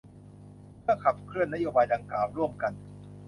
เพื่อขับเคลื่อนนโยบายดังกล่าวร่วมกัน